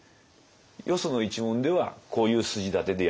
よその一門ではこういう筋立てでやります。